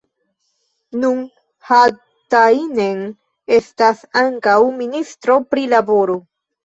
Nun Haatainen estas ankaŭ ministro pri laboro.